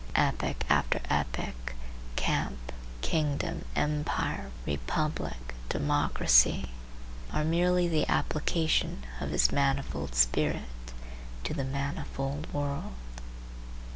Epoch after epoch, camp, kingdom, empire, republic, democracy, are merely the application of his manifold spirit to the manifold world.